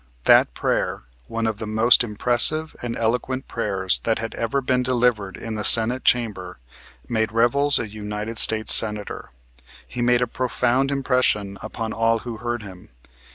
That prayer, one of the most impressive and eloquent prayers that had ever been delivered in the Senate Chamber, made Revels a United States Senator. He made a profound impression upon all who heard him.